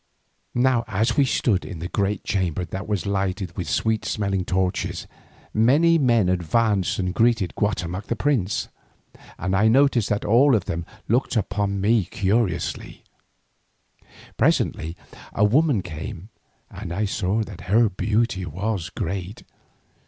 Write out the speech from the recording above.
Now as we stood in the great chamber that was lighted with sweet smelling torches, many men advanced and greeted Guatemoc the prince, and I noticed that all of them looked upon me curiously. Presently a woman came and I saw that her beauty was great.